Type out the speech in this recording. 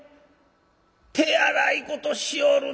手荒いことしよるな。